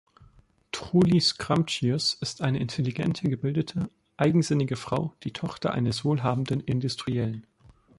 Truly Scrumptious ist eine intelligente, gebildete, eigensinnige Frau, die Tochter eines wohlhabenden Industriellen.